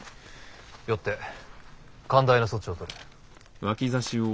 よって寛大な措置をとる。